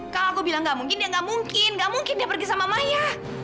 kalau aku bilang gak mungkin dia nggak mungkin nggak mungkin dia pergi sama maya